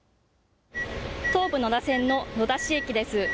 東武野田線の野田市駅です。